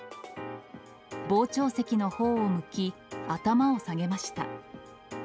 傍聴席のほうを向き、頭を下げました。